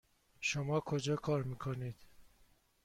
شما کجا کار میکنید؟